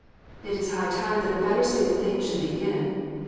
It is high time that a better state of things should begin.